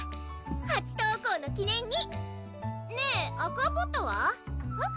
初登校の記念にねぇアクアポットは？えっ？